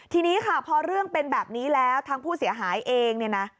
ทีนี้ค่ะพอเรื่องเป็นแบบนี้แล้วทางผู้เสียหายเองเนี่ยนะ